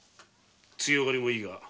強がりもいいが。